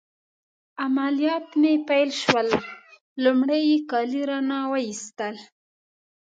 عملیات مې پیل شول، لمړی يې کالي رانه وایستل.